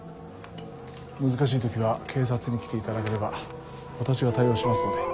難しい時は警察に来ていただければ私が対応しますので。